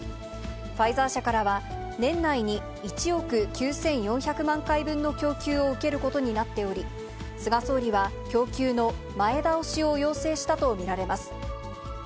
ファイザー社からは、年内に１億９４００万回分の供給を受けることになっており、菅総理は供給の前倒しを要請したと見られます。